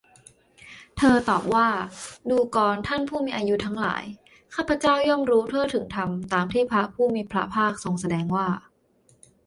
เธอตอบว่า ดูกรท่านผู้มีอายุทั้งหลาย ข้าพเจ้าย่อมรู้ทั่วถึงธรรมตามที่พระผู้มีพระภาคทรงแสดงว่า